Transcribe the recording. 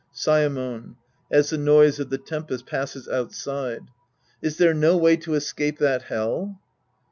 Saemon (as the noise of the tempest passes outside). Is there no way to escape that Hell